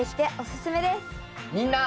みんな！